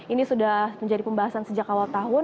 ini sudah menjadi pembahasan sejak awal tahun